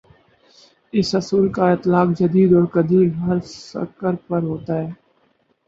اس اصول کا اطلاق جدید اور قدیم، ہر فکرپر ہوتا ہے۔